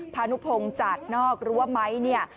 พาณุพงศ์จากนอกรั้วไม้